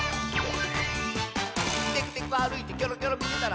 「テクテクあるいてキョロキョロみてたら」